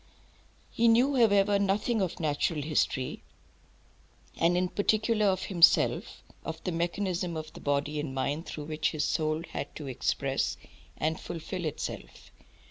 He knew, however, nothing of natural history, and in particular of himself, of the mechanism of the body and mind, through which his soul had to express and fulfil itself.